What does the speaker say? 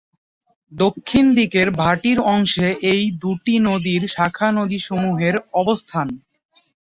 দক্ষিণ দিকের ভাটির অংশে এই দু’টি নদীর শাখানদীসমূহের অবস্থান।